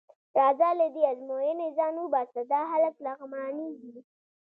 راځه له دې ازموینې ځان وباسه، دا هلک لغمانی دی.